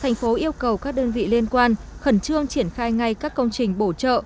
thành phố yêu cầu các đơn vị liên quan khẩn trương triển khai ngay các công trình bổ trợ